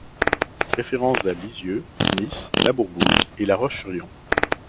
Références à Lisieux, Nice, La Bourboule et La Roche-sur-Yon.